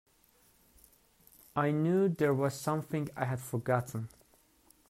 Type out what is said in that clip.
I knew there was something I had forgotten.